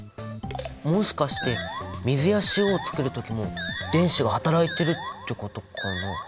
もしかして水や塩をつくるときも電子が働いてるってことかな？